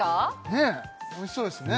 ねっおいしそうですね